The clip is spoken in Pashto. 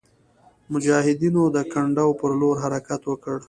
مجاهدینو د کنډو پر لور حرکت وکړ.